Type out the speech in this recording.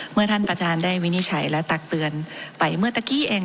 เมื่อท่านประธานได้วินิจฉัยและตักเตือนไปเมื่อตะกี้เอง